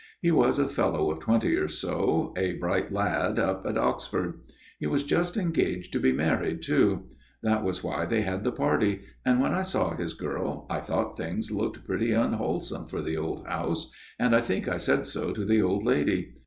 He was a fellow of twenty or so, a bright lad, up at Oxford. He was just engaged to be married, too ; that was why they had the party ; and when I saw his girl, I thought things looked pretty unwholesome for the old house ; and I think I said so to the old lady.